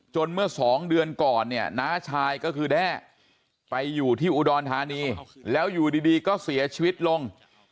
เมื่อสองเดือนก่อนเนี่ยน้าชายก็คือแด้ไปอยู่ที่อุดรธานีแล้วอยู่ดีก็เสียชีวิตลง